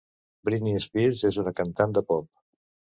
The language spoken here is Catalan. Britney Spears és una cantant de pop.